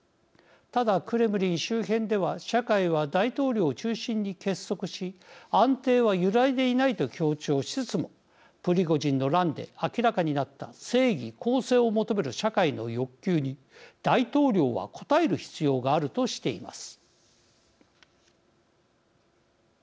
ただクレムリン周辺では社会は大統領を中心に結束し安定は揺らいでいないと強調しつつもプリゴジンの乱で明らかになった正義公正を求める社会の欲求に大統領は応える必要があるとしています。